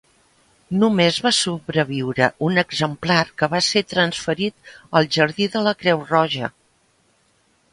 Només va sobreviure un exemplar que va ser transferit al jardí de la Creu Roja.